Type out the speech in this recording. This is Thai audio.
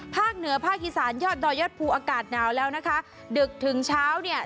เหนือภาคอีสานยอดดอยยอดภูอากาศหนาวแล้วนะคะดึกถึงเช้าเนี่ย